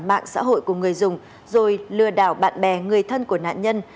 mạng xã hội của người dùng rồi lừa đảo bạn bè người thân của nạn nhân